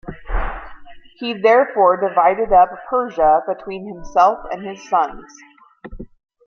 He therefore divided up Persia between himself and his sons.